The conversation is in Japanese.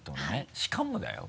しかもだよ